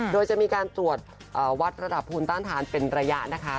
โดยจะมีการตรวจวัดระดับภูมิต้านทานเป็นระยะนะคะ